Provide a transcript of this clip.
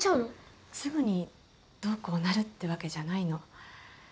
すぐにどうこうなるってわけじゃないの。